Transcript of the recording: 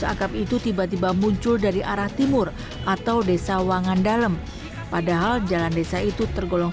akrab itu tiba tiba muncul dari arah timur atau desa wangandalem padahal jalan desa itu tergolong